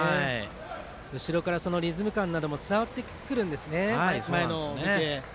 後ろからリズム感なども伝わってくるんですね。